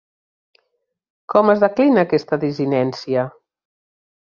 Com es declina aquesta desinència?